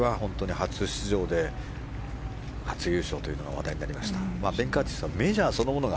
初出場で初優勝というので話題になりました。